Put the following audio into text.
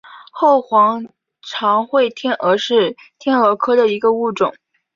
后黄长喙天蛾是天蛾科的一个物种。